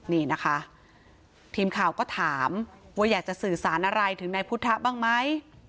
นี่นะคะทีมข่าวก็ถามว่าอยากจะสื่อสารอะไรถึงนายพุทธบ้างไหม